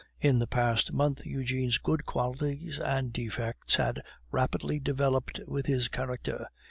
In the past month Eugene's good qualities and defects had rapidly developed with his character.